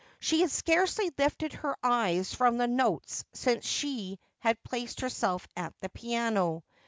She had scarcely lifted her eves from the notes since she had placed herself at the piano.